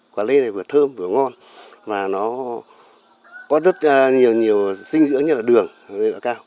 quả lê này vừa thơm vừa ngon và nó có rất nhiều sinh dưỡng như là đường lê bản cao